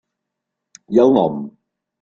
I el nom?